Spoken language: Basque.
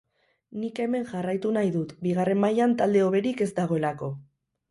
Nik hemen jarraitu nahi dut, bigarren mailan talde hoberik ez dagoelako.